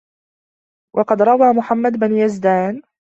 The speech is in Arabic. وَقَدْ رَوَى مُحَمَّدُ بْنُ يَزْدَانَ